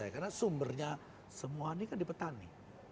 karena sumbernya semua ini kan di petani